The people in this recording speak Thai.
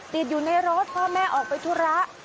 ติดอยู่ในรถพ่อแม่ออกไปธุระ